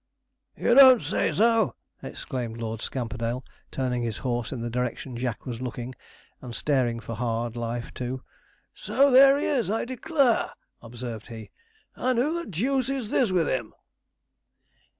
'You don't say so!' exclaimed Lord Scamperdale, turning his horse in the direction Jack was looking, and staring for hard life too. 'So there is, I declare!' observed he.' And who the deuce is this with him?'